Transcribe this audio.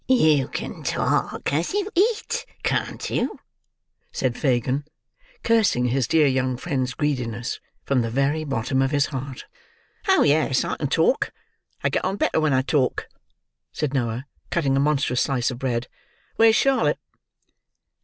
"You can talk as you eat, can't you?" said Fagin, cursing his dear young friend's greediness from the very bottom of his heart. "Oh yes, I can talk. I get on better when I talk," said Noah, cutting a monstrous slice of bread. "Where's Charlotte?"